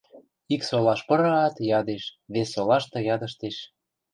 Ик солаш пыраат, ядеш, вес солашты ядыштеш...